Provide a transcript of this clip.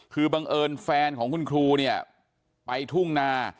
คือบังเอิญแฟนของคุณครูเนี่ยไปทุ่งนา